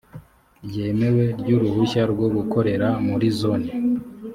ryemewe ry uruhushya rwo gukorera muri zone